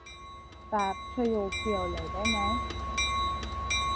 แบบประโยคเดียวเลยได้ไหม